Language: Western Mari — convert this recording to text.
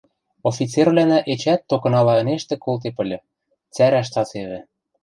Офицервлӓнӓ эчеӓт токынала ӹнештӹ колтеп ыльы, цӓрӓш цацевӹ.